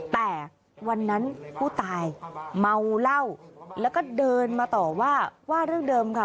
แต่วันนั้นผู้ตายเมาเหล้าแล้วก็เดินมาต่อว่าว่าเรื่องเดิมค่ะ